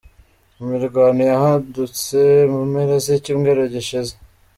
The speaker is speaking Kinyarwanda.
Imirwano yahadutse mu mpera z'icyumweru gishize.